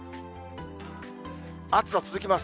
暑さ続きます。